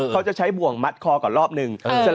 เขาจะใช้บ่วงมัดคอก่อนรอบนึง